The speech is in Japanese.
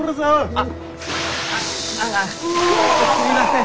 あああすみません。